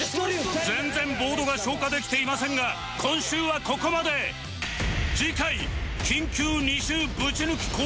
全然ボードが消化できていませんが今週はここまで！までぶっちゃける！